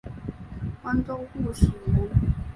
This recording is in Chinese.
光州固始人。